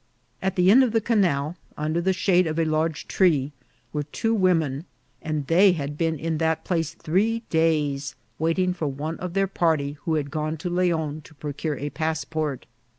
At the end of the canal, under the shade of a large tree, were two women ; and they had been in that place three days, waiting for one of their party who had gone to Leon to procure a passport.